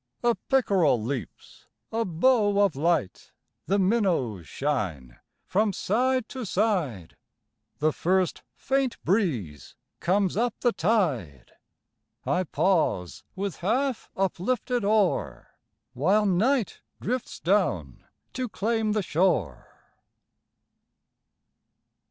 A pickerel leaps, a bow of light, The minnows shine from side to side. The first faint breeze comes up the tide I pause with half uplifted oar, While night drifts down to claim the shore.